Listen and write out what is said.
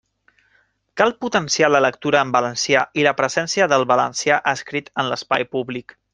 Cal potenciar la lectura en valencià i la presència del valencià escrit en l'espai públic.